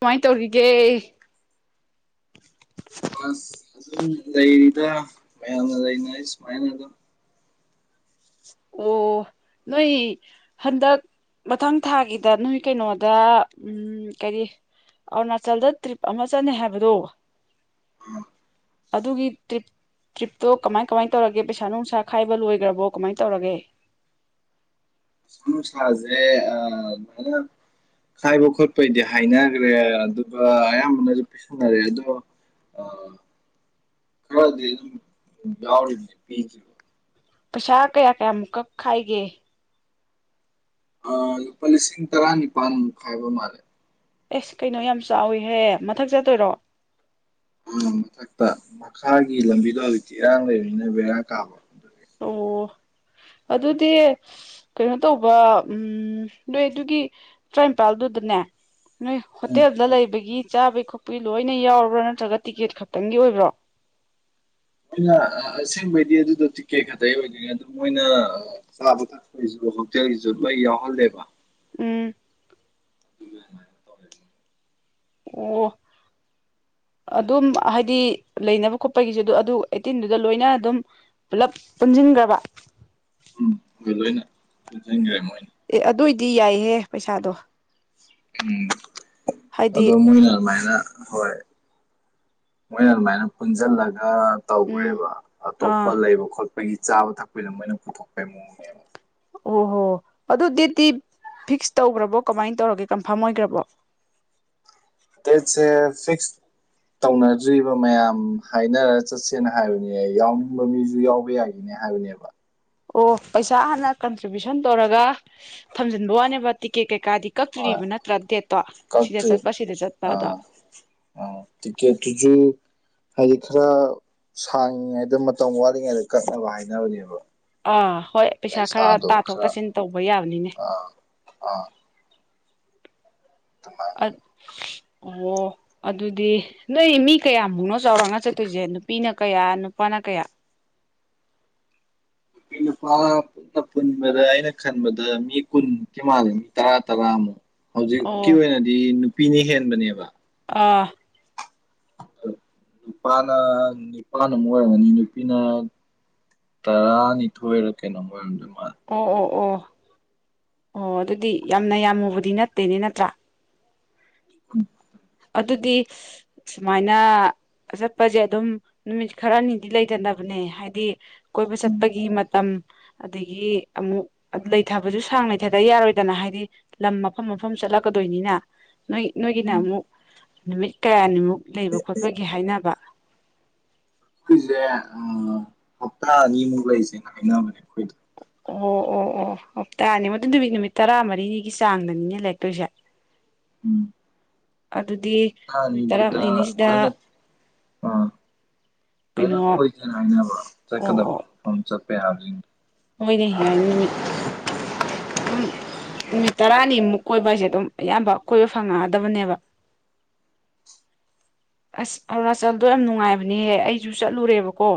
ꯀꯃꯥꯏꯅ ꯇꯧꯔꯤꯒꯦ ꯑꯁ ꯑꯗꯨꯝ ꯂꯩꯔꯤꯗ ꯃꯌꯥꯝꯅ ꯂꯩꯅꯩ ꯁꯨꯃꯥꯏꯅ ꯑꯗꯨꯝ ꯑꯣ ꯅꯣꯏ ꯍꯟꯗꯛ ꯃꯊꯪ ꯊꯥꯒꯤꯗ ꯅꯣꯏ ꯀꯩꯅꯣꯗ ꯎꯝ ꯀꯔꯤ ꯑꯔꯨꯅꯥꯆꯜꯗ ꯇ꯭ꯔꯤꯞ ꯑꯃ ꯆꯠꯅꯤ ꯍꯥꯏꯕꯗꯣ ꯑꯗꯨꯒꯤ ꯇ꯭ꯔꯤꯞ ꯇ꯭ꯔꯤꯞꯇꯣ ꯀꯃꯥꯏ ꯀꯃꯥꯏꯅ ꯇꯧꯔꯒꯦ ꯄꯩꯁꯥ ꯅꯨꯡꯁꯥ ꯈꯥꯏꯕ ꯂꯣꯏꯈ꯭ꯔꯕꯣ ꯀꯃꯥꯏꯅ ꯇꯧꯔꯒꯦ ꯁꯥꯖꯦ ꯑꯅ ꯍꯥꯏꯥꯏꯕ ꯈꯣꯠꯄꯩꯗꯤ ꯍꯥꯏꯅꯈ꯭ꯔꯦ ꯑꯗꯨꯒ ꯑꯌꯥꯝꯕꯅꯁꯨ ꯄꯁꯤꯟꯅꯔꯦ ꯑꯗꯣ ꯑ ꯈꯔ ꯑꯗꯨ ꯌꯥꯎꯗꯤ ꯄꯤ ꯄꯩꯁꯥ ꯀꯌꯥ ꯀꯌꯥꯃꯨꯛ ꯀꯛꯈꯥꯏꯒꯦ ꯂꯨꯄꯥ ꯂꯤꯁꯤꯡ ꯇꯔꯥꯅꯤꯄꯥꯜꯃꯨꯛ ꯍꯥꯏꯥꯏꯕ ꯃꯥꯜꯂꯦ ꯑꯦꯁ ꯀꯩꯅꯣ ꯌꯥꯝ ꯆꯥꯎꯋꯤꯍ꯭ꯔꯦ ꯃꯊꯛ ꯆꯠꯇꯣꯏꯔꯣ ꯑ ꯃꯊꯛꯇ ꯃꯈꯥꯒꯤ ꯂꯝꯕꯤꯗꯣ ꯍꯧꯖꯤꯛꯇꯤ ꯏꯔꯥꯡ ꯂꯩꯕꯅꯤꯅ ꯕꯦꯔꯥ ꯀꯥꯕꯣ ꯑꯣ [inaudible] ꯑꯗꯨꯗꯤ ꯀꯩꯅꯣ ꯇꯧꯕ ꯎꯝ ꯅꯣꯏ ꯑꯗꯨꯒꯤ ꯇꯔꯥꯝꯄꯥꯜꯗꯨꯗꯅꯦ ꯅꯣꯏ ꯎꯝ, ꯍꯣꯇꯦꯜꯗ ꯂꯩꯕꯒꯤ ꯆꯥꯕ ꯈꯣꯠꯄ ꯂꯣꯏꯅ ꯌꯥꯎꯔꯕ꯭ꯔꯥ ꯅꯠꯇ꯭ꯔꯒ ꯇꯤꯛꯀꯦꯠ ꯈꯛꯇꯪꯒꯤ ꯑꯣꯏꯕ꯭ꯔꯣ ꯑꯩꯅ ꯑꯁꯦꯡꯕꯩꯗꯤ ꯑꯗꯨꯗꯣ ꯇꯤꯛꯀꯦꯠ ꯈꯛꯇ ꯑꯣꯏꯗꯣꯏꯅꯦ ꯑꯗꯨ ꯃꯣꯏꯅ ꯆꯕꯊꯠꯁꯨ ꯍꯣꯇꯦꯜꯒꯤꯁꯨ ꯂꯣꯏ ꯌꯥꯎꯍꯜꯂꯦꯕ ꯎꯝ [inaudible] ꯑꯣ ꯑꯗꯨꯝ ꯍꯥꯏꯗꯤ ꯂꯩꯅꯕ ꯈꯣꯠꯄꯒꯤꯁꯨ ꯑꯗꯨ ꯑꯗꯨ ꯑꯩꯠꯇꯤꯟꯗꯨꯗ ꯂꯣꯏꯅ ꯑꯗꯨꯝ ꯄꯨꯂꯞ ꯄꯨꯟꯁꯤꯟꯈ꯭ꯔꯕ ꯎꯝ ꯂꯣꯏꯅ ꯄꯨꯟꯁꯤꯟꯈ꯭ꯔꯦ ꯃꯣꯏꯅꯤ ꯑꯦ ꯑꯗꯨ ꯑꯣꯏꯏꯗꯤ ꯌꯥꯏꯍꯦ ꯄꯩꯁꯥꯗꯣ ꯎꯝ ꯍꯥꯏꯗꯤ ꯑꯗꯣ ꯃꯣꯏꯅ ꯑꯗꯨꯃꯥꯏꯅ ꯍꯣꯏ ꯃꯣꯏꯅ ꯑꯗꯨꯃꯥꯏꯅ ꯄꯨꯟꯁꯤꯜꯂꯒ ꯎꯝ ꯇꯧꯈ꯭ꯔꯦꯕ ꯑꯥ ꯑꯇꯣꯞꯄ ꯂꯩꯕ ꯈꯣꯠꯄꯒꯤ ꯆꯥꯕ ꯊꯛꯄꯗ ꯃꯣꯏꯅ ꯄꯨꯊꯣꯛꯄꯩ ꯃꯑꯣꯡꯅꯦꯕ ꯑꯣ ꯍꯣ ꯑꯗꯨ ꯗꯦꯠꯇꯤ ꯐꯤꯛꯁ ꯇꯧꯈ꯭ꯔꯕꯣ ꯀꯃꯥꯏꯅ ꯇꯧꯔꯒꯦ ꯀꯟꯐꯥꯔꯝ ꯑꯣꯏꯈ꯭ꯔꯕꯣ ꯇꯁ ꯐꯤꯁ ꯇꯧꯅꯗ꯭ꯔꯤꯕ ꯃꯌꯥꯝ ꯍꯥꯏꯅꯔ ꯆꯠꯁꯦꯅ ꯍꯥꯏꯕꯅꯦ ꯌꯥꯎꯅꯤꯡꯕ ꯃꯤꯁꯨ ꯌꯥꯎꯕ ꯌꯥꯏꯅꯤ ꯍꯥꯏꯒꯅꯦꯕ ꯑꯣ ꯄꯩꯁꯥ ꯍꯥꯟꯅ ꯀꯟꯇ꯭ꯔꯤꯕ꯭ꯌꯨꯁꯟ ꯇꯧꯔꯒ ꯊꯝꯖꯤꯟꯕ ꯋꯥꯅꯦꯕ ꯇꯤꯛꯀꯦꯠ ꯀꯩꯀꯥꯗꯤ ꯍꯣꯏ ꯀꯛꯇ꯭ꯔꯤꯕ ꯅꯠꯇ꯭ꯔꯥ ꯗꯦꯠꯇꯣ ꯁꯤꯗ ꯆꯠꯄ ꯁꯤꯗ ꯆꯠꯄ ꯑꯗꯣ ꯑ ꯇꯤꯦ ꯇꯨꯖꯣ ꯍꯥꯏꯗꯤ ꯈꯔ ꯁꯥꯡꯂꯤꯉꯩꯗ ꯃꯇꯝ ꯋꯥꯠꯂꯤꯉꯩꯗ ꯀꯠꯅꯕ ꯍꯥꯏꯅꯕꯅꯦꯕ ꯑꯥ ꯍꯣꯏ ꯄꯩꯁꯥ ꯈꯔ ꯄꯩꯁꯥꯗꯣ ꯇꯥꯊꯣꯛ ꯈꯔ ꯇꯥꯁꯤꯟ ꯇꯧꯕ ꯌꯥꯕꯅꯤꯅꯦ ꯑꯥ ꯑꯥ [inaudible] ꯑꯣ ꯑꯗꯨꯗꯤ ꯅꯣꯏ ꯃꯤ ꯀꯌꯥꯃꯨꯛꯅꯣ ꯆꯥꯎꯔꯥꯛꯅ ꯆꯠꯇꯣꯏꯁꯦ ꯅꯨꯄꯤꯅ ꯀꯌꯥ ꯅꯨꯄꯥꯅ ꯀꯌꯥ ꯩꯅ ꯐ ꯄꯨꯟꯕꯗ ꯑꯩꯅ ꯈꯟꯕꯗ ꯃꯤ ꯀꯨꯟ ꯀ ꯃꯥꯜꯂꯦ ꯃꯤ ꯇꯔꯥ ꯇꯔꯥꯃꯨꯛ ꯍꯧꯖꯤꯛꯀꯤ ꯑꯣ ꯑꯣꯏꯅꯗꯤ ꯅꯨꯄꯤꯅ ꯍꯦꯟꯕꯅꯦꯕ ꯑꯥ ꯅꯨꯄꯥꯅ ꯅꯨꯅꯤꯄꯥꯅ ꯑꯃꯨꯛ ꯑꯣꯏꯔꯝꯒꯅꯤ ꯅꯨꯄꯤꯅ ꯇꯔꯥꯅꯤꯊꯣꯏꯔ ꯀꯩꯅꯣ ꯑꯣꯏꯔꯝꯗꯣꯏ ꯃꯥꯜꯂꯦ ꯑꯣ ꯑꯣ ꯑꯣ ꯑꯣ ꯑꯗꯨꯗꯤ ꯌꯥꯝꯅ ꯌꯥꯝꯃꯨꯕꯗꯤ ꯅꯠꯇꯦꯅꯦ ꯅꯠꯇ꯭ꯔꯥ [unintelligible] ꯑꯗꯨꯗꯤ ꯁꯨꯃꯥꯏꯅ ꯆꯠꯄꯁꯦ ꯑꯗꯨꯝ ꯅꯨꯃꯤꯠ ꯈꯔꯅꯤꯗꯤ ꯂꯩꯇꯅꯕꯅꯦ ꯍꯥꯏꯗꯤ ꯀꯣꯏꯕ ꯎꯝ ꯆꯠꯄꯒꯤ ꯃꯇꯝ ꯑꯗꯒꯤ ꯑꯃꯨꯛ ꯂꯩꯊꯕꯁꯨ ꯁꯥꯡ ꯂꯩꯊꯗꯕ ꯌꯥꯔꯣꯏꯗꯅ ꯍꯥꯏꯗꯤ ꯂꯝ ꯃꯐꯝ ꯃꯐꯝ ꯆꯠꯂꯛꯀꯗꯣꯏꯅꯤꯅ ꯅꯣꯏ ꯅꯣꯏꯒꯤꯅ ꯎꯝ ꯑꯃꯨꯛ ꯅꯨꯃꯤꯠ ꯀꯌꯥꯅꯤꯃꯨꯛ ꯂꯩꯕ ꯈꯣꯠꯄꯒꯤ ꯍꯥꯏꯅꯕ ꯑꯩꯈꯣꯏꯁꯦ ꯍꯞꯇꯥ ꯑꯅꯤꯃꯨꯛ ꯂꯩꯁꯦꯅ ꯍꯥꯏꯅꯕꯅꯦ ꯑꯩꯈꯣꯏꯗ ꯑꯣ ꯑꯣ ꯑꯣ ꯍꯞꯇꯥꯅꯤ ꯃꯗꯨ ꯅꯨꯃꯤꯠ ꯅꯨꯃꯤꯠ ꯇꯔꯥꯃꯔꯤꯅꯤꯒꯤ ꯆꯥꯡꯗꯅꯤꯅꯦ ꯂꯩꯔꯛꯇꯣꯏꯁꯦ ꯎꯝ ꯑꯗꯨꯗꯤ ꯅꯨꯃꯤꯠ ꯇꯔꯥꯃꯔꯤꯅꯤꯁꯤꯗ ꯑꯅ ꯀꯩꯅꯣ ꯀꯣꯏꯅꯕ ꯆ ꯑꯣ ꯀꯗꯕ ꯑꯣ ꯍ ꯆꯄꯦ ꯍꯥꯏ ꯍꯣꯏꯅꯦ ꯌꯥꯏꯅꯤ ꯅꯨꯃꯤꯠ ꯑꯗꯨꯝ ꯅꯨꯃꯤꯠ ꯇꯔꯥꯅꯤꯃꯨꯛ ꯀꯣꯏꯕ ꯍꯥꯏꯁꯦ ꯑꯗꯨꯝ ꯑꯌꯥꯝꯕ ꯀꯣꯏꯕ ꯐꯪꯉꯛꯑꯗꯕꯅꯦꯕ [unintelligible] ꯑꯁ ꯑꯔꯨꯅꯥꯆꯜꯗꯣ ꯌꯥꯝ ꯅꯨꯡꯉꯥꯏꯕꯅꯦꯍꯦ ꯑꯩꯁꯨ ꯆꯠꯂꯨꯔꯦꯕꯀꯣ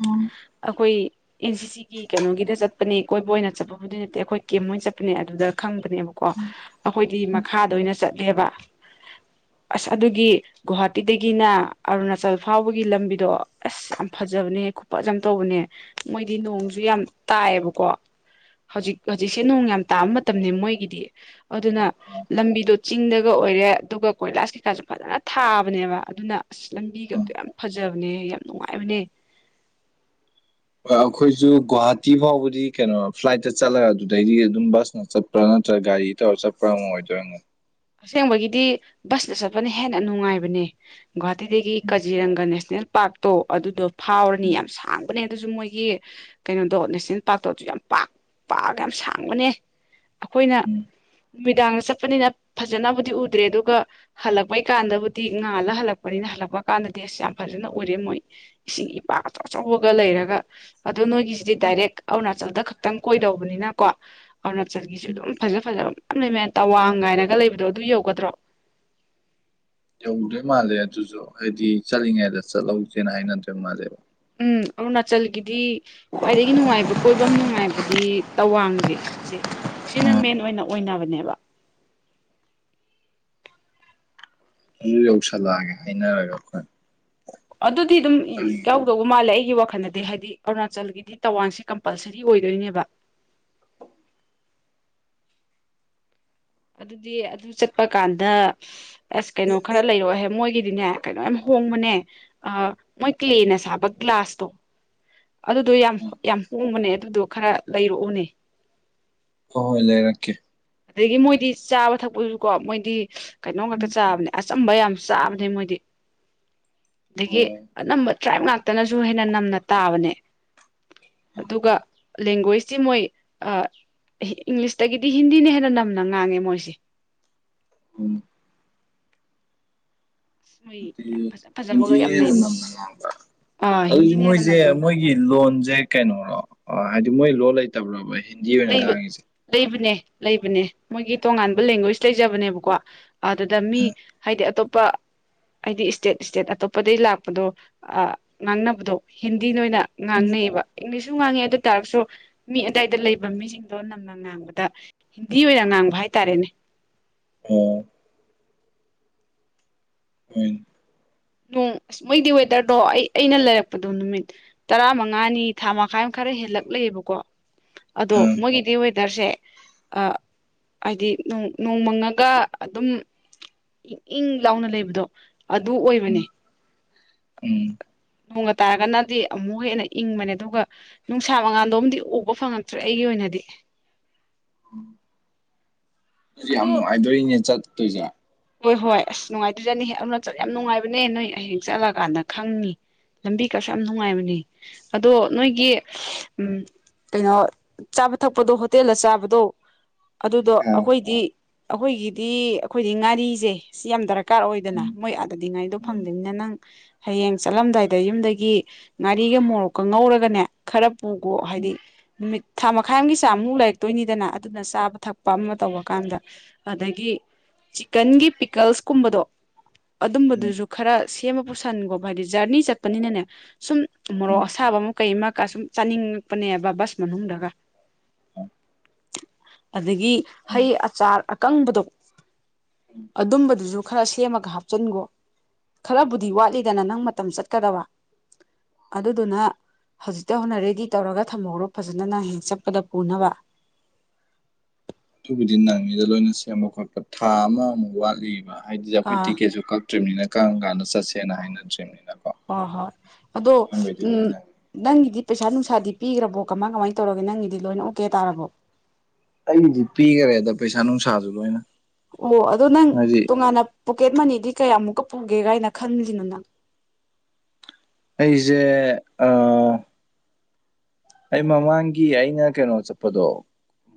ꯎꯝ ꯑꯩꯈꯣꯏ ꯑꯦꯟ ꯁꯤ ꯁꯤꯒꯤ ꯀꯩꯅꯣꯒꯤꯗ ꯆꯠꯄꯅꯦ ꯀꯣꯏꯕ ꯑꯣꯏꯅ ꯆꯠꯄ ꯑꯗꯨꯏ ꯅꯠꯇꯦ ꯑꯩꯈꯣꯏ ꯀꯦꯝ ꯃꯣꯏ ꯆꯠꯄꯅꯦ ꯑꯗꯨꯗ ꯈꯪꯕꯅꯦꯕꯀꯣ ꯎꯝ ꯑꯩꯈꯣꯏꯗꯤ ꯎꯝ ꯃꯈꯥꯗ ꯑꯣꯏꯅ ꯆꯠꯂꯦꯕ ꯑꯁ ꯑꯗꯨꯒꯤ ꯒꯣꯍꯥꯇꯤꯗꯒꯤꯅ ꯑꯔꯨꯅꯥꯆꯜ ꯐꯥꯎꯕꯒꯤ ꯂꯝꯕꯤꯗꯣ ꯑꯁ ꯌꯥꯝ ꯐꯖꯕꯅꯦ ꯈꯨꯄꯖ ꯌꯥꯝ ꯇꯧꯕꯅꯦ ꯃꯣꯏꯗꯤ ꯅꯣꯡꯁꯨ ꯌꯥꯝ ꯇꯥꯏꯌꯦꯕꯀꯣ ꯍꯧꯖꯤꯛ ꯍꯧꯖꯤꯛꯁꯦ ꯅꯣꯡ ꯌꯥꯝ ꯇꯥꯕ ꯃꯇꯝꯅꯤ ꯃꯣꯏꯒꯤꯗꯤ ꯑꯗꯨꯅ ꯑꯥ ꯂꯝꯕꯤꯗꯣ ꯆꯤꯡꯗꯒ ꯑꯣꯏꯔꯦ ꯑꯗꯨꯒ ꯀꯣꯏꯂꯥꯁ ꯀꯩꯀꯥꯁꯨ ꯐꯖꯅ ꯊꯥꯕꯅꯦꯕ ꯑꯗꯨꯅ ꯂꯝꯕꯤꯒ ꯑꯥ ꯑꯝꯇ ꯌꯥꯝ ꯐꯖꯕꯅꯦ ꯌꯥꯝ ꯅꯨꯡꯉꯥꯏꯕꯅꯦ ꯑꯩꯈꯣꯏꯁꯨ ꯒꯨꯍꯥꯇꯤ ꯐꯥꯎꯕꯗꯤ ꯀꯩꯅꯣ ꯐ꯭ꯂꯥꯏꯠꯇ ꯆꯠꯂꯒ ꯑꯗꯨꯗꯩꯗꯤ ꯑꯗꯨꯝ ꯕꯁꯅ ꯆꯠꯄ ꯅꯠꯇ꯭ꯔ ꯅꯠꯇ꯭ꯔꯒ ꯒꯥꯔꯤ ꯇꯧꯔ ꯆꯠꯄ ꯑꯃꯨꯛ ꯑꯣꯏꯗꯣꯏꯅꯣ ꯑꯁꯦꯡꯕꯒꯤꯗꯤ ꯕꯁꯇ ꯆꯠꯄꯅ ꯍꯦꯟꯅ ꯅꯨꯡꯉꯥꯏꯕꯅꯦ ꯒꯨꯍꯥꯇꯤꯗꯒꯤ ꯀꯖꯤꯔꯪꯒ ꯅꯦꯁꯅꯦꯜ ꯄꯥꯔꯛ ꯇꯣ ꯑꯗꯨꯗꯣ ꯐꯥꯎꯔꯅꯤ ꯌꯥꯝ ꯁꯥꯡꯕꯅꯦ ꯑꯗꯨꯁꯨ ꯃꯣꯏꯒꯤ ꯀꯩꯅꯣꯗꯣ ꯅꯦꯁꯅꯦꯜ ꯄꯥꯔꯛꯇꯣ ꯑꯗꯨ ꯌꯥꯝ ꯄꯥꯛ ꯄꯥꯛꯑꯒ ꯌꯥꯝ ꯁꯥꯡꯕꯅꯦ ꯑꯩꯈꯣꯏꯅ ꯅꯨꯃꯤꯗꯥꯡꯗ ꯆꯠꯄꯅꯤꯅ ꯐꯖꯅꯕꯨꯗꯤ ꯎꯗ꯭ꯔꯦ ꯑꯗꯨꯒ ꯍꯜꯂꯛꯄꯩ ꯀꯥꯟꯗꯕꯨꯗꯤ ꯉꯥꯜꯂ ꯍꯜꯂꯛꯄꯅꯤꯅ ꯍꯜꯂꯛꯄ ꯀꯥꯟꯗꯗꯤ ꯑꯁ ꯌꯥꯝ ꯐꯖꯅ ꯑꯣꯏꯔꯦ ꯃꯣꯏ ꯏꯁꯤꯡ ꯏꯄꯥ ꯑꯆꯧ ꯑꯆꯧꯕꯒ ꯂꯩꯔꯒ ꯑꯗꯣ ꯅꯣꯏꯒꯤꯁꯤꯗꯤ ꯗꯥꯏꯔꯦꯛ ꯑꯔꯨꯅꯥꯆꯜꯗ ꯈꯛꯇꯪ ꯀꯣꯏꯗꯧꯕꯅꯤꯅꯀꯣ ꯑꯔꯨꯅꯥꯆꯜꯒꯤꯁꯨ ꯑꯗꯨꯝ ꯐꯖ ꯐꯖꯕ ꯃꯌꯥꯝ ꯂꯩꯃꯦ ꯇꯋꯥꯡ ꯉꯥꯏꯅꯒ ꯂꯩꯕꯗꯣ ꯑꯗꯨ ꯌꯧꯒꯗ꯭ꯔꯣ ꯌꯧꯗꯣꯏ ꯃꯥꯜꯂꯦ ꯑꯗꯨꯁꯨ ꯍꯥꯏꯗꯤ ꯆꯠꯂꯤꯉꯩꯗ ꯆꯠꯍꯧꯁꯦꯅ ꯍꯥꯏꯅꯗꯣꯏ ꯃꯥꯜꯂꯦꯕ ꯎꯝ ꯑꯔꯨꯅꯥꯆꯜꯒꯤꯗꯤ ꯈ꯭ꯋꯥꯏꯗꯒꯤ ꯅꯨꯡꯉꯥꯏꯕ ꯀꯣꯏꯕ ꯅꯨꯡꯉꯥꯏꯕꯗꯤ ꯇꯋꯥꯡꯁꯦ ꯁꯤꯁꯦ ꯁꯤꯅ ꯃꯦꯟ ꯑꯣꯏꯅꯕꯅꯦꯕ ꯑꯗꯨ ꯌꯧꯁꯜꯂꯛꯑꯒꯦ ꯍꯥꯏꯅꯔꯒ ꯑꯩꯈꯣꯏ ꯑꯗꯨꯗꯤ ꯑꯗꯨꯝ ꯆꯠꯂꯤꯉꯩ ꯀꯧꯕ ꯃꯥꯜꯂꯦ ꯑꯩꯒꯤ ꯋꯥꯈꯜꯗꯗꯤ ꯍꯥꯏꯗꯤ ꯑꯔꯨꯅꯥꯆꯜꯒꯤꯗꯤ ꯇꯋꯥꯡꯁꯦ ꯀꯝꯄꯜꯁꯔꯤ ꯑꯣꯏꯗꯣꯏꯅꯦꯕ ꯑꯗꯨꯗꯤ ꯑꯗꯨ ꯆꯠꯄ ꯀꯥꯟꯗ ꯑꯁ ꯀꯩꯅꯣ ꯈꯔ ꯂꯩꯔꯛꯍꯦ ꯃꯣꯏꯒꯤꯗꯤꯅꯦ ꯀꯩꯅꯣ ꯌꯥꯝ ꯍꯣꯡꯕꯅꯦ ꯃꯣꯏ ꯀ꯭ꯂ꯭ꯂꯦꯅ ꯁꯥꯕ ꯒ꯭ꯂꯥꯁꯇꯣ ꯑꯗꯨꯗꯣ ꯌꯥꯝ ꯌꯥꯝ ꯍꯣꯡꯕꯅꯦ ꯑꯗꯨꯗꯣ ꯈꯔ ꯂꯩꯔꯛꯎꯅꯦ ꯍꯣꯏ ꯍꯣꯏ ꯂꯩꯔꯛꯀꯦ ꯑꯗꯒꯤ ꯃꯣꯏꯗꯤ ꯆꯥꯕ ꯊꯛꯄꯁꯨ ꯀꯣ ꯃꯣꯏꯗꯤ ꯀꯩꯅꯣꯝ ꯉꯥꯛꯇ ꯆꯥꯕꯅꯦ ꯑꯁ ꯑꯆꯝꯕ ꯌꯥꯝ ꯆꯥꯕꯅꯦ ꯃꯣꯏꯗꯤ ꯑꯗꯒꯤ ꯑꯅꯝꯕ ꯇ꯭ꯔꯥꯏꯞ ꯉꯥꯛꯇꯅꯁꯨ ꯍꯦꯟꯅ ꯅꯝꯅ ꯇꯥꯕꯅꯦ ꯑꯗꯨꯒ ꯂꯦꯡꯒ꯭ꯋꯦꯁꯇꯤ ꯃꯣꯏ ꯏꯪꯂꯤꯁꯇꯒꯤꯗꯤ ꯍꯤꯟꯗꯤꯅ ꯍꯦꯟꯅ ꯅꯝꯅ ꯉꯥꯡꯉꯦ ꯃꯣꯏꯁꯦ ꯎꯝ ꯃꯣꯏ ꯌꯥꯝ ꯐꯖ ꯐꯖꯕꯒ ꯌꯥꯝ ꯏꯟꯇꯔꯤꯔ ꯉ ꯂꯩꯕꯅꯤ ꯑꯥ ꯍꯤꯟꯗꯤꯅ ꯍꯦꯟꯅ ꯅꯝꯅ ꯉꯥꯡꯕꯅꯦ [unintelligible] ꯀꯩꯅꯣꯔꯣ ꯍꯥꯏꯗꯤ ꯃꯣꯏ ꯂꯣ ꯂꯩꯇꯕ꯭ꯔꯕ ꯍꯤꯟꯗꯤ ꯑꯣꯏꯅ ꯂꯩꯕ ꯉꯥꯡꯉꯤꯁꯦ ꯂꯩꯕꯅꯦ ꯂꯩꯕꯅꯦ ꯃꯣꯏꯒꯤ ꯇꯣꯉꯥꯟꯕ ꯂꯦꯡꯒ꯭ꯋꯦꯖ ꯂꯩꯖꯕꯅꯦꯕꯀꯣ ꯑꯗꯨꯗ ꯃꯤ ꯍꯥꯏꯗꯤ ꯑꯇꯣꯞꯄ ꯍꯥꯏꯗꯤ ꯏꯁꯇꯦꯠ ꯏꯁꯇꯦꯠ ꯑꯇꯣꯞꯄꯗꯒꯤꯩ ꯂꯥꯛꯄꯗꯣ ꯉꯥꯡꯅꯕꯗꯣ ꯍꯤꯟꯗꯤꯅ ꯑꯣꯏꯅ ꯎꯝ ꯉꯥꯡꯅꯩꯕ ꯏꯪꯂꯤꯁꯁꯨ ꯉꯥꯡꯉꯦ ꯑꯗꯨ ꯇꯥꯔꯒꯁꯨ ꯃꯤ ꯑꯗꯥꯏꯗ ꯂꯩꯕ ꯃꯤꯁꯤꯡꯗꯣ ꯅꯝꯅ ꯉꯥꯡꯕꯗ ꯍꯤꯟꯗꯤ ꯑꯣꯏꯅ ꯉꯥꯡꯕ ꯍꯥꯏꯇꯥꯔꯦꯅꯦ ꯑꯣ ꯍꯣꯏ ꯅꯣꯡ ꯑꯁ ꯃꯣꯏꯗꯤ ꯋꯦꯗꯔꯗꯣ ꯑꯩ ꯑꯩꯅ ꯂꯩꯔꯛꯄꯗꯣ ꯅꯨꯃꯤꯠ ꯇꯔꯥ ꯃꯉꯥꯅꯤ ꯊꯥ ꯃꯈꯥꯏ ꯑꯃ ꯈꯔ ꯍꯦꯜꯂꯛꯂꯦꯕꯀꯣ ꯑꯗꯣ ꯑ ꯃꯣꯏꯒꯤꯗꯤ ꯗꯔꯁꯦ ꯍꯥꯏꯗꯤ ꯅꯣꯡꯃꯪꯉꯒ ꯑꯗꯨꯝ ꯏꯪ ꯏꯪ ꯂꯥꯎꯅ ꯂꯩꯕꯗꯣ ꯑꯗꯨ ꯑꯣꯏ ꯎꯝ ꯎꯝ ꯅꯣꯡꯒ ꯇꯥꯔꯒꯅꯗꯤ ꯑꯃꯨꯛ ꯍꯦꯟꯅ ꯏꯪꯕꯅꯦ ꯑꯗꯨꯒ ꯅꯨꯡꯁꯥ ꯃꯉꯥꯟꯗꯨꯃꯗꯤ ꯎꯕ ꯐꯪꯉꯛꯇ꯭ꯔꯦ ꯑꯩꯒꯤ ꯑꯣꯏꯅꯗꯤ ꯌꯥꯝ ꯑꯗꯣ ꯅꯨꯡꯉꯥꯏꯗꯧꯔꯤꯅꯦ ꯆꯠꯇꯣꯏꯁꯦ ꯍꯣꯏ ꯍꯣꯏ ꯑꯁ ꯅꯨꯡꯉꯥꯏꯇꯣꯏꯖꯠꯅꯤ ꯑꯔꯨꯅꯥꯆꯜ ꯌꯥꯝ ꯅꯨꯡꯉꯥꯏꯕꯅꯦ ꯅꯣꯏ ꯍꯌꯦꯡ ꯆꯠꯂꯀꯥꯟꯗ ꯈꯪꯅꯤ ꯂꯝꯕꯤ ꯀꯁꯨ ꯌꯥꯝ ꯅꯨꯡꯉꯥꯏꯕꯅꯦ ꯑꯗꯣ ꯅꯣꯏꯒꯤ ꯎꯝ ꯀꯩꯅꯣ ꯆꯥꯕ ꯊꯛꯄꯗꯣ ꯍꯣꯇꯦꯜꯗ ꯆꯥꯕꯗꯣ ꯑꯗꯨꯗꯣ ꯑ ꯑꯩꯈꯣꯏꯗꯤ ꯑꯩꯈꯣꯏꯒꯤꯗꯤ ꯑꯩꯈꯣꯏꯗꯤ ꯉꯥꯔꯤꯁꯦ ꯁꯤ ꯌꯥꯝ ꯗꯔꯛ ꯗꯔꯀꯥꯔ ꯑꯣꯏꯗꯅ ꯎꯝ ꯃꯣꯏ ꯑꯥꯗꯗꯤꯉꯥꯔꯤꯗꯣ ꯎꯝ ꯐꯪꯗꯕꯅꯤꯅ ꯅꯪ ꯍꯌꯦꯡ ꯆꯠꯂꯝꯗꯥꯏꯗ ꯌꯨꯝꯗꯒꯤ ꯉꯥꯔꯤꯒ ꯃꯣꯔꯣꯛꯀ ꯉꯧꯔꯒꯅꯦ ꯈꯔ ꯄꯨꯈꯣ ꯍꯥꯏꯗꯤ ꯅꯨꯃꯤꯠ ꯊꯥ ꯃꯈꯥꯏ ꯑꯃꯒꯤ ꯆꯥꯡꯃꯨꯛ ꯂꯩꯔꯛꯇꯣꯏꯅꯤꯗꯅ ꯑꯗꯨꯅ ꯆꯥꯕ ꯊꯛꯄ ꯑꯃ ꯇꯧꯔꯀꯥꯟꯗ ꯑꯗꯒꯤ ꯆꯤꯀꯟꯒꯤ ꯄꯤꯀꯜꯁꯀꯨꯝꯕꯗꯣ ꯎꯝ ꯑꯗꯨꯝꯕꯗꯨꯁꯨ ꯈꯔ ꯁꯦꯝꯃ ꯄꯨꯁꯟꯒꯣ ꯍꯥꯏꯗꯤ ꯖꯔꯅꯤ ꯆꯠꯄꯅꯤꯅꯅꯦ ꯁꯨꯝ ꯃꯣꯔꯣꯛ ꯎꯝ ꯑꯁꯥꯕ ꯑꯃ ꯀꯩ ꯑꯃꯀ ꯁꯨꯝ ꯆꯥꯅꯤꯡꯉꯛꯄꯅꯦꯕ ꯕꯁ ꯃꯅꯨꯡꯗꯒ ꯎꯝ [inaudible] ꯑꯗꯒꯤ ꯍꯩ ꯑꯆꯥꯔ ꯑꯀꯪꯕꯗꯣ ꯑꯗꯨꯝꯕꯗꯨꯁꯨ ꯈꯔ ꯁꯦꯝꯃꯒ ꯍꯥꯞꯆꯤꯟꯈꯣ ꯈꯔꯕꯨꯗꯤ ꯋꯥꯠꯂꯤꯗꯅ ꯅꯪ ꯃꯇꯝ ꯆꯠꯀꯗꯕ ꯑꯗꯨꯗꯨꯅ ꯍꯧꯖꯤꯛꯇꯩ ꯍꯧꯅ ꯔꯦꯗꯤ ꯇꯧꯔꯒ ꯊꯝꯍꯧꯔꯒ ꯐꯖꯅ ꯅꯪ ꯍꯌꯦꯡ ꯆꯠꯄꯗ ꯄꯨꯅꯕ ꯑꯗꯨꯕꯨꯗꯤ ꯅꯪꯅꯤꯗ ꯂꯣꯏꯅ ꯁꯦꯝꯕ ꯈꯣꯠꯄ ꯊꯥ ꯑꯃꯃꯨꯛ ꯋꯥꯠꯂꯤꯕ ꯍꯥꯏꯗꯤ ꯑꯩꯈꯣꯏ ꯑꯥ ꯇꯤꯛꯀꯦꯠꯁꯨ ꯀꯛ ꯗ꯭ꯔꯤꯝꯅꯤꯅ ꯀꯔꯝ ꯀꯥꯟꯗ ꯆꯠꯁꯦꯅ ꯍꯥꯏꯅ ꯗ꯭ꯔꯤꯝꯅꯤꯅꯀꯣ ꯍꯣꯢ ꯍꯣꯏ ꯑꯗꯣ ꯎꯝ ꯅꯪꯉꯤ ꯅꯪꯒꯤꯗꯤ ꯄꯩꯁꯥ ꯅꯨꯡꯁꯥꯗꯤ ꯄꯤꯈ꯭ꯔꯕꯣ ꯀꯃꯥꯏ ꯀꯃꯥꯏꯅ ꯇꯧꯔꯒꯦ ꯅꯪꯒꯤꯗꯤ ꯂꯣꯏꯅ ꯑꯣꯛꯀꯦ ꯇꯥꯔꯕꯣ ꯑꯩꯗꯤ ꯄꯤꯈ꯭ꯔꯦꯗ ꯄꯩꯁꯥ ꯅꯨꯡꯁꯥꯁꯨ ꯂꯣꯏꯅ ꯑꯣ ꯑꯗꯣ ꯅꯪ ꯍꯥꯏꯗꯤ ꯇꯣꯉꯥꯟꯅ ꯄꯣꯀꯦꯠ ꯃꯅꯤꯗꯤ ꯀꯌꯥꯃꯨꯛꯀ ꯄꯨꯒꯦ ꯀꯥꯏꯅ ꯈꯟꯂꯤꯅꯣ ꯅꯪ ꯑꯩꯁꯦ ꯑ ꯑꯩ ꯃꯃꯥꯡꯒꯤ ꯑꯩꯅ ꯀꯩꯅꯣ ꯆꯠꯄꯗꯣ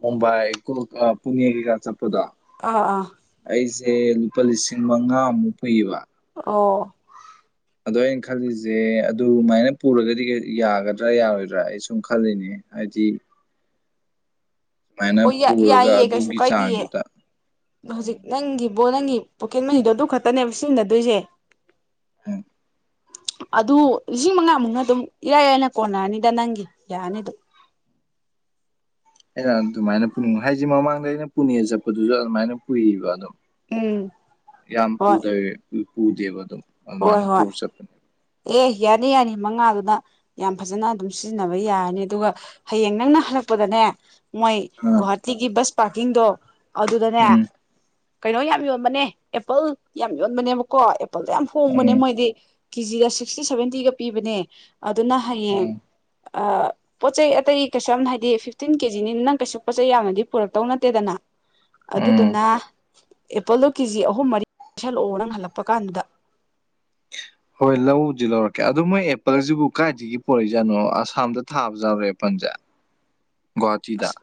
ꯃꯨꯝꯕꯥꯏ ꯀꯨ ꯄꯨꯡ ꯌꯩꯕꯤꯒ ꯆꯠꯄꯗꯣ ꯑꯥ ꯑꯥ ꯑꯩꯁꯦ ꯂꯨꯄꯥ ꯂꯤꯁꯤꯡ ꯃꯉꯥꯃꯨꯛ ꯐꯨꯏꯌꯦꯕ ꯑꯣ ꯑꯗꯣ ꯑꯩꯅ ꯈꯜꯂꯤꯁꯦ ꯑꯗꯨꯃꯥꯏꯅ ꯄꯨꯔꯒꯗꯤ ꯌꯥꯒꯗ꯭ꯔꯥ ꯌꯥꯔꯣꯏꯗ꯭ꯔꯥ ꯑꯩ ꯁꯨꯝ ꯈꯜꯂꯤꯅꯦ ꯍꯥꯏꯖꯤ ꯑꯣ ꯄꯨꯔꯒ ꯌꯥꯏꯌꯦ ꯀꯩꯁꯨ ꯑꯗꯨꯒꯤ ꯀꯥꯏꯗꯤꯌꯦ ꯆꯥꯡꯗꯨꯗ ꯍꯧꯖꯤꯛ ꯑꯣ ꯅꯪꯒꯤꯕꯣ ꯅꯪꯒꯤ ꯄꯣꯀꯦꯠ ꯃꯅꯤꯗꯣ ꯑꯗꯨ ꯈꯛꯇꯅꯦꯕ ꯁꯤꯖꯤꯟꯅꯗꯣꯏꯁꯦ ꯎꯝ ꯑꯗꯨ ꯂꯤꯁꯤꯡ ꯃꯉꯥꯃꯨꯛꯅ ꯑꯗꯨꯝ ꯏꯔꯥꯏ ꯂꯥꯏꯅ ꯀꯣꯟꯅꯔꯅꯤꯗ ꯅꯪꯒꯤ ꯌꯥꯔꯅꯤꯗ ꯑꯩꯅ ꯑꯗꯨꯃꯥꯏꯅ ꯄꯨꯡ ꯍꯥꯏꯁꯦ ꯃꯃꯥꯡꯗ ꯑꯩꯅ ꯄꯨꯅꯦ ꯆꯠꯄꯗꯨꯁꯨ ꯑꯗꯨꯃꯥꯏꯅ ꯄꯨꯏꯕ ꯑꯗꯨꯝ ꯎꯝ ꯌꯥꯝ ꯍꯣꯏ ꯄꯨꯗꯕꯤ ꯄꯨꯗꯦꯕ ꯑꯗꯨꯝ ꯍꯣꯏ ꯑꯗꯨꯃꯥꯏꯅ ꯍꯣꯏ ꯄꯨꯔ ꯆꯠꯄꯅꯦ ꯑꯦ ꯌꯥꯅꯤ ꯌꯥꯅꯤ ꯃꯉꯥꯗꯨꯅ ꯌꯥꯝ ꯐꯖꯅ ꯑꯗꯨꯝ ꯁꯤꯖꯤꯟꯅꯕ ꯌꯥꯔꯅꯤ ꯑꯗꯨꯒ ꯍꯌꯦꯡ ꯅꯪꯅ ꯍꯜꯂꯛꯄꯗꯅꯦ ꯃꯣꯏ ꯑꯥ ꯒꯨꯋꯥꯍꯥꯇꯤꯒꯤ ꯕꯁ ꯄꯥꯔꯀꯤꯡꯗꯣ ꯑꯗꯨꯗꯅꯦ ꯎꯝ ꯀꯩꯅꯣ ꯌꯥꯝ ꯌꯣꯟꯕꯅꯦ ꯑꯦꯄꯜ ꯌꯥꯝ ꯌꯣꯟꯕꯅꯦꯕꯀꯣ ꯑꯦꯄꯜꯗꯣ ꯌꯥꯝ ꯍꯣꯡꯕꯅꯦ ꯎꯝ ꯃꯣꯏꯗꯤ ꯀꯦꯖꯤꯗ ꯁꯤꯁꯇꯤ ꯁꯚꯦꯟꯇꯤꯒ ꯄꯤꯕꯅꯦ ꯑꯗꯨꯅ ꯍꯌꯦꯡ ꯎꯝ ꯄꯣꯠꯆꯩ ꯑꯇꯩ ꯀꯩꯁꯨ ꯌꯥꯝꯅ ꯍꯥꯏꯗꯤ ꯐꯤꯐꯇꯤꯟ ꯀꯦꯖꯤꯅꯤꯅ ꯅꯪ ꯀꯩꯁꯨ ꯄꯣꯠ ꯆꯩ ꯌꯥꯝꯅꯗꯤ ꯄꯨꯔꯛꯇꯧ ꯅꯠꯇꯦꯗꯅ ꯎꯝ ꯑꯗꯨꯗꯨꯅ ꯑꯦꯄꯜꯗꯣ ꯀꯦꯖꯤ ꯑꯍꯨꯝ ꯃꯔꯤ ꯄꯥꯏꯁꯜꯂꯛꯑꯣ ꯅꯪ ꯍꯜꯂꯛꯄ ꯀꯥꯟꯗꯨꯗ ꯍꯣꯏ ꯂꯧꯗꯤ ꯂꯧꯔꯛꯀꯦ ꯑꯗꯨꯗꯣ ꯃꯣꯏ ꯑꯦꯄꯜꯁꯤꯕꯨ ꯀꯥꯏꯗꯒꯤ ꯄꯣꯔꯛꯏꯖꯥꯅꯣ ꯑꯁꯥꯝꯗ ꯊꯥꯕ ꯌꯥꯥꯎꯔꯦ ꯑꯦꯄꯜꯁꯦ ꯒꯨꯋꯥꯍꯥꯇꯤ ꯗꯥ ꯑꯁ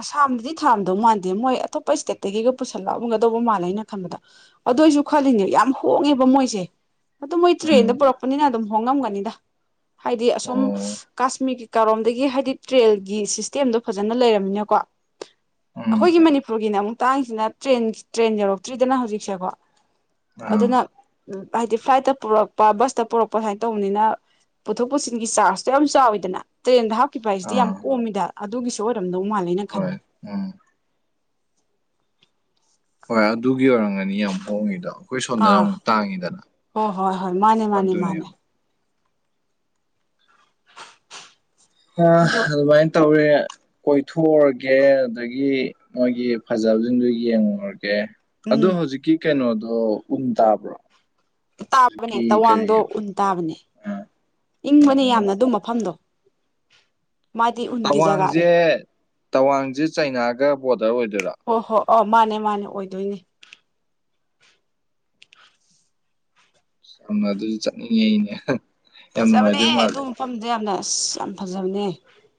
ꯑꯁꯥꯝꯗꯗꯤ ꯊꯥꯔꯝꯗꯧ ꯃꯥꯟꯗꯦ ꯃꯣꯏ ꯑꯇꯣꯞꯄ ꯏꯁꯇꯦꯠꯇꯒꯤꯒ ꯄꯨꯁꯜꯂꯛꯑꯝꯒꯗꯧꯕ ꯃꯥꯜꯂꯦ ꯑꯩꯅꯥ ꯈꯟꯕꯗ ꯑꯗꯨ ꯑꯩꯁꯨ ꯈꯜꯂꯤꯅꯦ ꯌꯥꯝ ꯍꯣꯡꯉꯦꯕ ꯃꯣꯏꯁꯦ ꯑꯗꯨ ꯃꯣꯏ ꯇ꯭ꯔꯦꯟꯗ ꯎꯝ ꯄꯨꯔꯛꯄꯅꯤꯅ ꯑꯗꯨꯝ ꯍꯣꯡꯉꯝꯒꯅꯤꯗ ꯍꯥꯏꯗꯤ ꯑꯁꯨꯝ ꯑꯣ ꯀꯥꯁꯃꯤꯔꯒꯤ ꯀꯥꯔꯣꯝꯗꯒꯤ ꯍꯥꯏꯗꯤ ꯇ꯭ꯔꯦꯜꯒꯤ ꯁꯤꯁꯇꯦꯝꯗꯣ ꯐꯖꯅ ꯂꯩꯔꯝꯃꯤꯅꯀꯣ ꯎꯝ ꯑꯩꯈꯣꯏꯒꯤ ꯃꯅꯤꯄꯨꯔꯒꯤꯅꯦ ꯑꯃꯨꯛ ꯇꯥꯡꯁꯤꯅ ꯇ꯭ꯔꯦꯟ ꯇ꯭ꯔꯦꯟ ꯌꯧꯔꯛꯇ꯭ꯔꯤꯗꯅ ꯍꯧꯖꯤꯛꯁꯦꯀꯣ ꯑꯥ ꯑꯗꯨꯅ ꯍꯥꯏꯗꯤ ꯐ꯭ꯂꯥꯏꯠꯇ ꯄꯨꯔꯛꯄ ꯕꯁꯇ ꯄꯨꯔꯛꯄ ꯁꯨꯃꯥꯏꯅ ꯇꯧꯕꯅꯤꯅ ꯄꯨꯊꯣꯛ ꯄꯨꯁꯤꯟꯒꯤ ꯆꯥꯔꯖꯇꯣ ꯌꯥꯝ ꯆꯥꯎꯋꯤꯗꯅ ꯇ꯭ꯔꯦꯟꯗ ꯍꯥꯞꯈꯤꯕ ꯍꯥꯏꯁꯤꯗꯤ ꯌꯥꯝ ꯑꯥ ꯀꯣꯝꯃꯤꯗ ꯑꯗꯨꯒꯤꯁꯨ ꯑꯣꯏꯔꯝꯗꯧ ꯃꯥꯜꯂꯦꯅ ꯍꯣꯏ ꯈꯟꯕꯅꯦ ꯎꯝ ꯍꯣꯏ ꯑꯗꯨꯒꯤ ꯑꯣꯏꯔꯝꯒꯅꯤ ꯌꯥꯝ ꯍꯣꯡꯉꯤꯗꯣ ꯑꯩꯈꯣꯏ ꯁꯣꯝꯗꯅ ꯑꯥ ꯑꯃꯨꯛ ꯇꯥꯡꯉꯤꯗꯅ ꯍꯣꯏ ꯍꯣꯏ ꯍꯣꯏ ꯃꯥꯅꯦ ꯃꯥꯅꯦ ꯃꯥꯅꯦ ꯑꯗꯨꯅꯦꯕ ꯑꯥ ꯑꯗꯣ ꯑꯗꯨꯃꯥꯏꯅ ꯇꯧꯋꯦ ꯀꯣꯏꯊꯣꯛꯎꯔꯒꯦ ꯑꯗꯨꯗꯒꯤ ꯃꯣꯏꯒꯤ ꯐꯖꯕꯁꯤꯡꯗꯨꯣ ꯌꯦꯡꯉꯨꯔꯒꯦ ꯑꯗꯣ ꯎꯝ ꯍꯧꯖꯤꯛꯀꯤ ꯀꯩꯅꯣꯗꯣ ꯎꯟ ꯇꯥꯕ꯭ꯔꯣ ꯇꯥꯕꯅꯦ ꯍꯧꯖꯤꯛꯀꯤ ꯀꯔꯤ ꯇꯋꯥꯡꯗꯣ ꯎꯟ ꯇꯥꯕꯅꯦ ꯏꯪꯕꯅꯦ ꯌꯥꯝꯅ ꯑꯗꯨ ꯃꯐꯝꯗꯣ ꯃꯥꯗꯤ ꯎꯟꯒꯤ ꯖꯒꯥꯅꯦ ꯇꯋꯥꯡꯁꯦ ꯇꯋꯥꯡꯁꯦ ꯆꯩꯅꯥꯒ ꯕꯣꯔꯗꯔ ꯑꯣꯏꯗꯣꯏꯔꯥ ꯍꯣꯏ ꯍꯣꯏ ꯑꯧ ꯃꯥꯅꯦ ꯃꯥꯅꯦ ꯑꯣꯏꯗꯣꯏꯅꯦ ꯁꯝꯅ ꯑꯗꯨꯗꯤ ꯆꯠꯅꯤꯡꯉꯦ ꯑꯩꯅꯦ ꯌꯥꯝ ꯐꯖꯕꯅꯦ ꯅꯨꯡꯉꯥꯏꯗꯣꯏ ꯑꯗꯨ ꯃꯥꯜꯂꯦ ꯃꯐꯝꯗ ꯌꯥꯝꯅ ꯑꯁ ꯌꯥꯝ ꯐꯖꯕꯅꯦ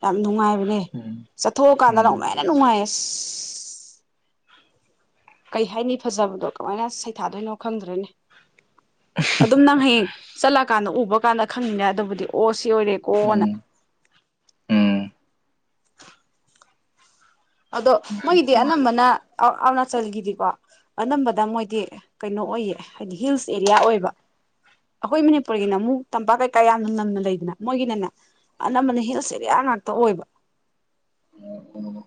ꯌꯥꯝ ꯅꯨꯡꯉꯥꯏꯕꯅꯦ ꯎꯝ ꯆꯠꯊꯣꯛꯑꯀꯥꯟꯗ ꯎꯝ ꯅꯃꯥꯏꯅ ꯅꯨꯡꯉꯥꯏꯌꯦ ꯑꯁ ꯀꯩ ꯍꯥꯏꯅꯤ ꯐꯖꯕꯗꯣ ꯀꯃꯥꯏꯅ ꯁꯩꯊꯥꯗꯣꯏꯅꯣ ꯈꯪꯗ꯭ꯔꯣꯏꯅꯦ ꯑꯗꯨꯝ ꯅꯪ ꯍꯌꯦꯡ ꯆꯠꯂꯀꯥꯟꯗ ꯎꯕ ꯀꯥꯟꯗ ꯈꯪꯉꯤꯅꯦ ꯑꯗꯨꯕꯨꯗꯤ ꯑꯣ ꯁꯤ ꯑꯣꯏꯔꯦꯀꯣꯅ ꯎꯝ ꯎꯝ ꯑꯗꯣ ꯃꯣꯏꯒꯤꯗꯤ ꯅꯨꯡꯉꯥꯏꯔꯝꯗꯣꯏ ꯃꯥꯜꯂꯦ ꯑꯅꯝꯕꯅ ꯑꯔꯨꯅꯥꯆꯜꯒꯤꯗꯤꯀꯣ ꯑꯅꯝꯕꯗ ꯃꯣꯏꯗꯤ ꯀꯩꯅꯣ ꯑꯣꯏꯌꯦ ꯍꯥꯏꯗꯤ ꯍꯤꯜꯁ ꯑꯦꯔꯤꯌꯥ ꯑꯣꯏꯕ ꯑꯩꯈꯣꯏ ꯃꯅꯤꯄꯨꯔꯒꯤꯅ ꯑꯃꯨꯛ ꯇꯝꯄꯥꯛ ꯀꯩꯀꯥ ꯌꯥꯝꯅ ꯅꯝꯅ ꯂꯩꯗꯅ ꯃꯣꯏꯒꯤꯅꯅꯦ ꯑꯅꯝꯕꯅ ꯍꯤꯜꯁ ꯑꯦꯔꯤꯌꯥ ꯉꯥꯛꯇ ꯑꯣꯏꯕ ꯎ ꯎ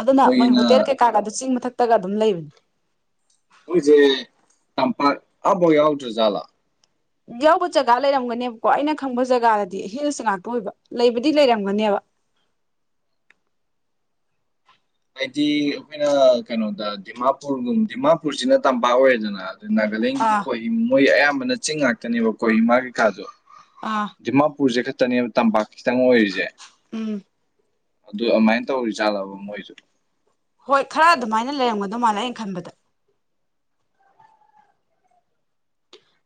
ꯑꯗꯨꯅ ꯃꯣꯏ ꯍꯣꯇꯦꯜ ꯀꯩꯀꯥꯒ ꯑꯗꯨ ꯆꯤꯡ ꯃꯊꯛꯇꯒ ꯑꯗꯨꯝ ꯂꯩꯕꯅꯦ ꯑꯩꯣꯏꯁꯦ ꯇꯝꯄꯥꯛ ꯑꯕꯣꯏ ꯑꯥꯎꯗ꯭ꯔꯖꯂ ꯌꯥꯎꯕ ꯖꯒꯥ ꯂꯩꯔꯝꯒꯅꯦꯕꯀꯣ ꯑꯩꯅ ꯈꯪꯕ ꯖꯒꯥꯗꯗꯤ ꯍꯤꯜꯁ ꯉꯥꯛꯇ ꯑꯣꯏꯕ ꯂꯩꯕꯗꯤ ꯂꯩꯔꯝꯒꯅꯦꯕ ꯍꯥꯏꯗꯤ ꯑꯩꯈꯣꯏꯅ ꯀꯩꯅꯣꯗ ꯗꯤꯃꯥꯄꯨꯔꯒꯨꯝ ꯗꯤꯃꯥꯄꯨꯔꯁꯤꯅ ꯇꯝꯄꯥꯛ ꯑꯣꯏꯔꯦꯗꯅ ꯑꯗꯨꯗ ꯅꯥꯒꯥꯂꯦꯟꯒꯤꯗꯤ ꯑꯥ ꯀꯣꯏꯍꯤ ꯃꯣꯏ ꯑꯌꯥꯝꯕꯅ ꯆꯤꯡ ꯉꯥꯛꯇꯅꯦꯕ ꯀꯣꯍꯤꯃꯥ ꯀꯩꯀꯥꯗꯣ ꯑꯥ ꯗꯤꯃꯥꯄꯨꯔꯁꯦ ꯈꯛꯇꯅꯦꯕ ꯇꯝꯄꯥꯛ ꯈꯤꯇꯪ ꯑꯣꯏꯔꯤꯁꯦ ꯎꯝ ꯑꯗꯨꯏ ꯑꯝꯃꯥꯏꯅ ꯇꯧꯔꯤ ꯆꯥꯠꯂꯕ ꯃꯣꯏꯁꯨ ꯍꯣꯏ ꯈꯔ ꯑꯗꯨꯃꯥꯏꯅ ꯂꯩꯔꯝꯒꯗꯧ ꯃꯥꯜꯂꯦ ꯑꯩꯅ ꯈꯟꯕꯗ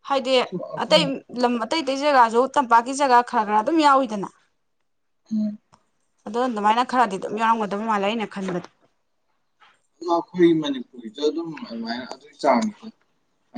ꯍꯥꯏꯗꯤ ꯑꯗꯨꯝ ꯑꯇꯩ ꯑꯩꯈꯣꯏ ꯂꯝ ꯑꯇꯩ ꯑꯇꯩ ꯖꯒꯥꯁꯨ ꯇꯝꯄꯥꯛꯀꯤ ꯖꯒꯥ ꯈꯔ ꯈꯔ ꯑꯗꯨꯝ ꯌꯥꯎꯋꯤꯗꯅ ꯎꯝ ꯑꯗꫭ ꯑꯗꯨꯃꯥꯏꯅ ꯈꯔꯗꯤ ꯑꯗꯨꯝ ꯌꯥꯎꯔꯝꯒꯗꯕ ꯃꯥꯜꯂꯦ ꯑꯩꯅ ꯈꯟꯕꯗꯣ ꯑꯗꯣ ꯑꯩꯈꯣꯏ ꯃꯅꯤꯄꯨꯔꯒꯤꯁꯨ ꯑꯗꯨꯝ ꯑꯗꯨꯃꯥꯏꯅ ꯑꯗꯨꯒꯤ ꯆꯥꯡꯅꯤꯗ